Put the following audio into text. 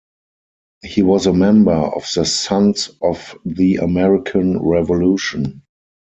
He was a member of the Sons of the American Revolution.